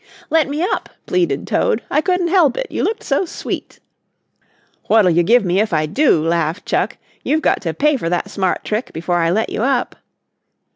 "Let me up," pleaded Toad. "I couldn't help it, you looked so sweet." "What'll you give me if I do?" laughed Chuck. "You've got to pay for that smart trick before I let you up."